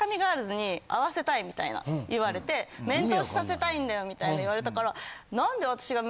みたいな言われて面通しさせたいんだよみたいに言われたから。